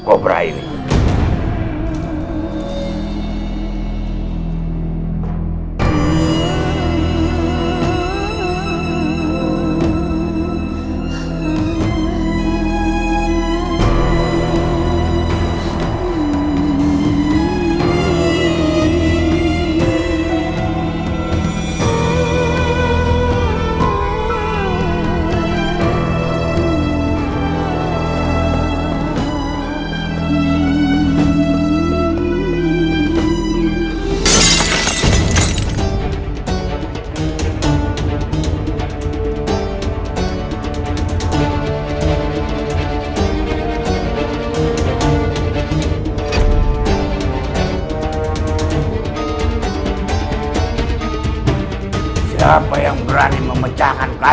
ibu ibu saya yang dibatakzech papa